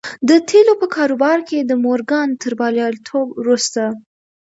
د تيلو په کاروبار کې د مورګان تر برياليتوب وروسته.